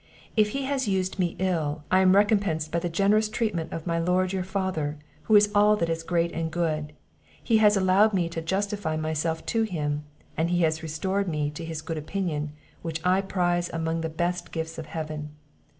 If he has used me ill, I am recompensed by the generous treatment of my lord your father, who is all that is great and good; he has allowed me to justify myself to him, and he has restored me to his good opinion, which I prize among the best gifts of heaven.